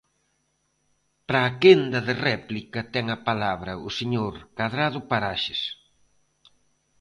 Para a quenda de réplica ten a palabra o señor Cadrado Paraxes.